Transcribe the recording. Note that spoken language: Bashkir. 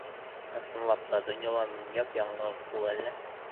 Ысынлап та, донъяла мин япа-яңғыҙмы ул әллә?